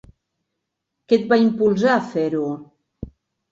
Què et va impulsar a fer-ho?